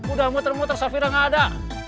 udah muter muter sopir yang nggak ada